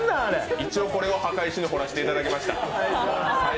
一応これを墓石に彫らせていただきました。